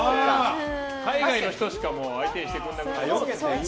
海外の人しか相手にしてくれないから。